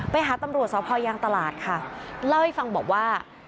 ไปหาตำรวจสพยางตลาดค่ะเล่าให้ฟังบอกว่า